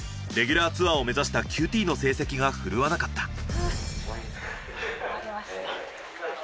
レギュラーツアーを目指したＱＴの成績がふるわなかった。